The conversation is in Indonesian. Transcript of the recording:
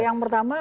yang pertama bahwa